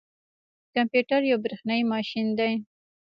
کمپيوټر یو بریښنايي ماشین دی